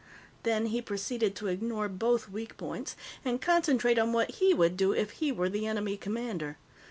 Then he proceeded to ignore both weak points and concentrate on what he would do if he were the enemy commander.